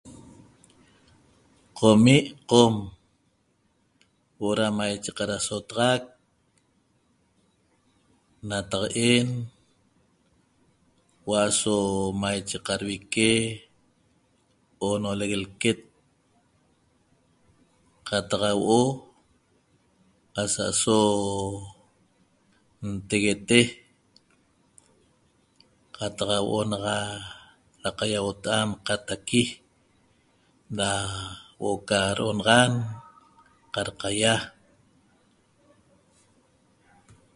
Qomi' Qom huo'o da maiche qadasotaxac nataq'en huo'o aso maiche qadvique oonolec lquet qataq huo'o asa'aso nteguete qataq huo'o naxa da qaiauota'a nqataqui da huo'o ca do'onaxan qadqaýa